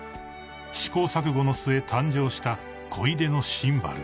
［試行錯誤の末誕生した小出のシンバル］